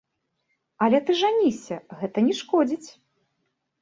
Але ты жаніся, гэта не шкодзіць.